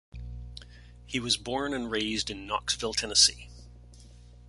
He was born and raised in Knoxville, Tennessee.